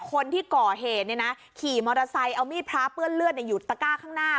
คนที่ก่อเหตุขี่มอเตอร์ไซค์เอามีดพระเปื้อนเลือดอยู่ตะก้าข้างหน้า